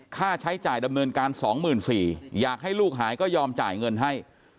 ค่าใช้จ่ายดำเนินการ๒๔๐๐อยากให้ลูกหายก็ยอมจ่ายเงินให้